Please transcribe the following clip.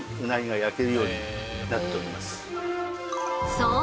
そう！